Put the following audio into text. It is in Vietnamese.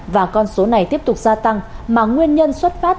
và con số này tiếp tục gia tăng mà nguyên nhân xuất phát